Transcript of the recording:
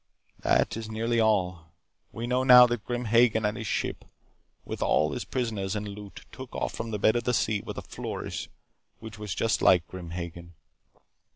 "That is nearly all. We know now that Grim Hagen and his ship, with all his prisoners and loot, took off from the bed of the sea with a flourish which was just like Grim Hagen.